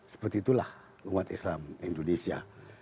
seperti itulah umat islam indonesia